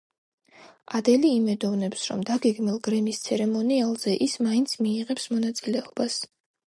ადელი იმედოვნებს, რომ დაგეგმილ გრემის ცერემონიალზე ის მაინც მიიღებს მონაწილეობას.